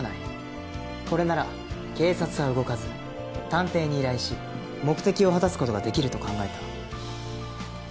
これなら警察は動かず探偵に依頼し目的を果たす事ができると考えた。